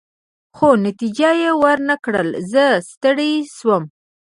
خو نتیجه يې ورنه کړل، زه ستړی شوم.